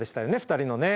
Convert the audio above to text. ２人のね。